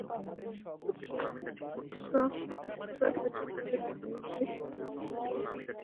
শুধু আপনাকে সতর্ক করে দিতে চাইছিলাম যাতে সাবধানে থাকেন।